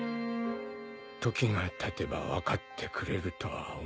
時がたてば分かってくれるとは思うが